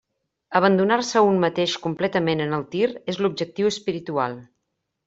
Abandonar-se a un mateix completament en el tir és l'objectiu espiritual.